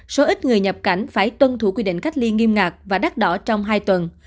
số ít người nhập cảnh phải tuân thủ quy định cách ly nghiêm ngạc và đắt đỏ trong hai tuần